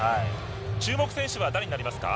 注目選手は誰になりますか。